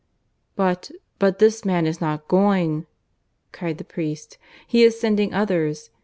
"But ... but this man is not going," cried the priest. "He is sending others.